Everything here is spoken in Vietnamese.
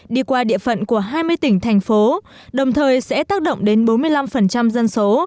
đi qua địa phận của hai mươi tỉnh thành phố đồng thời sẽ tác động đến bốn mươi năm dân số